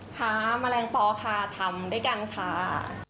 ค่ะแมลงปอค่ะทำด้วยกันค่ะ